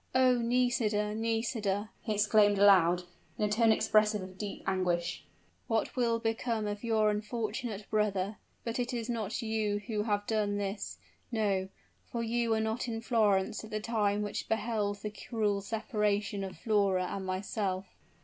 "Oh! Nisida, Nisida!" he exclaimed aloud, in a tone expressive of deep anguish; "what will become of your unfortunate brother? But it is not you who have done this! No for you were not in Florence at the time which beheld the cruel separation of Flora and myself!"